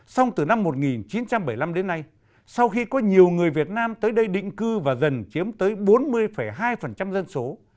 xong từ năm một nghìn chín trăm bảy mươi năm đến nay sau khi có nhiều người việt nam tới đây định cư và dần chiếm tới bốn mươi hai dân số